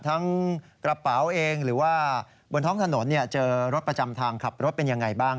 ทั้งกระเป๋าเองหรือว่าบนท้องถนนเจอรถประจำทางขับรถเป็นยังไงบ้าง